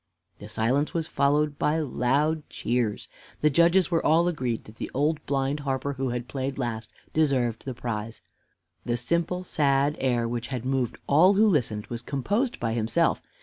The silence was followed by loud cheers. The judges were all agreed that the old blind harper, who had played last, deserved the prize. The simple, sad air, which had moved all who listened, was composed by himself.